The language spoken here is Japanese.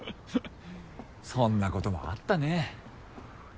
そんなこともあったね。